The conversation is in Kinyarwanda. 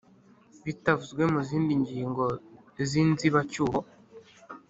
Batavuzwe mu zindi ngingo z’inzibacyuho